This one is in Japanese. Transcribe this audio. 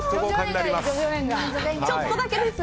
ちょっとだけです。